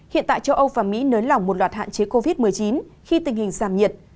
hiện tại châu âu và mỹ nới lỏng một loạt hạn chế covid một mươi chín khi tình hình giảm nhiệt